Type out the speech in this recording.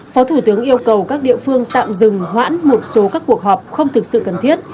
phó thủ tướng yêu cầu các địa phương tạm dừng hoãn một số các cuộc họp không thực sự cần thiết